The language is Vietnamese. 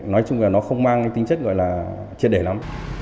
nói chung là nó không mang tính chất chết để lắm